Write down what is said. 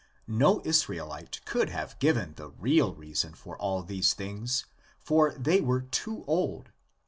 No Israelite could have given the real reason for all these things, for they were too old.